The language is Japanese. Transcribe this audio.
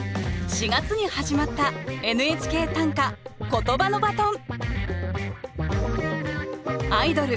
４月に始まった「ＮＨＫ短歌」「ことばのバトン」アイドル